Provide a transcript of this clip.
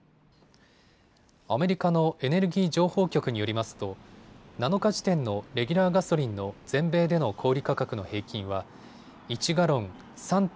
アメリカのエネルギー情報局によりますと７日時点のレギュラーガソリンの全米での小売価格の平均は１ガロン３．７８